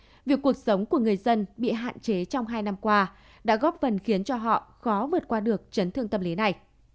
vì vậy việc cuộc sống của người dân bị hạn chế trong hai năm qua đã góp phần khiến cho họ khó vượt qua được chấn thương tâm lý này